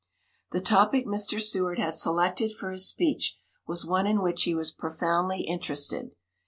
The topic Mr. Seward had selected for his speech was one in which he was profoundly interested.